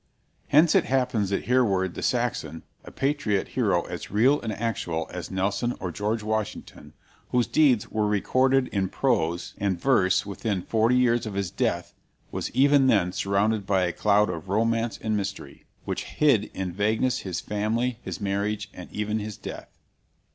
Hence it happens that Hereward the Saxon, a patriot hero as real and actual as Nelson or George Washington, whose deeds were recorded in prose and verse within forty years of his death, was even then surrounded by a cloud of romance and mystery, which hid in vagueness his family, his marriage, and even his death.